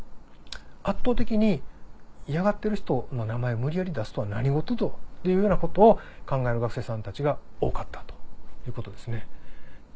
圧倒的に嫌がってる人の名前を無理やり出すとは何事ぞっていうようなことを考える学生さんたちが多かったということですね。